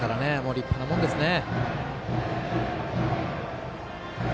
立派なもんですね。